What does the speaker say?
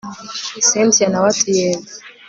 cyntia nawe ati yego